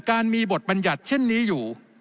การมีบทบัญญัติเช่นนี้อยู่